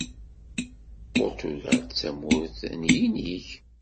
Purtugal d tamurt n yinig.